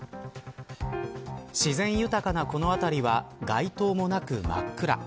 自然豊かな、この辺りは街灯もなく真っ暗。